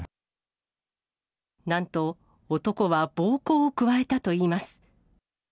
なんと、男は暴行を加えたといいます。